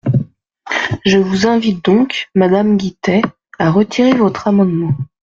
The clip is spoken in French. Je vous invite donc, madame Guittet, à retirer votre amendement.